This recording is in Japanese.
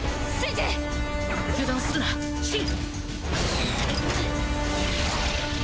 油断するなシン！